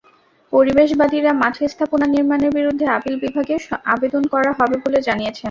পরিবেশবাদীরা মাঠে স্থাপনা নির্মাণের বিরুদ্ধে আপিল বিভাগে আবেদন করা হবে বলে জানিয়েছেন।